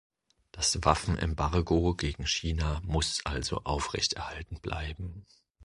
Das Waffenembargo gegen China muss also aufrechterhalten bleiben.